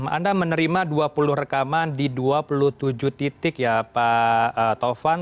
anda menerima dua puluh rekaman di dua puluh tujuh titik ya pak taufan